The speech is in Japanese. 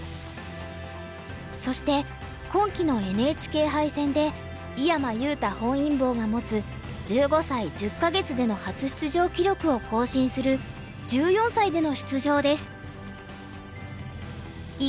そして今期のＮＨＫ杯戦で井山裕太本因坊が持つ１５歳１０か月での初出場記録を更新する１４歳での出場です。